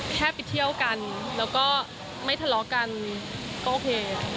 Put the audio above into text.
แค่ไปเที่ยวกันแล้วก็ไม่ทะเลาะกันก็โอเค